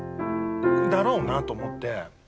だろうなと思って。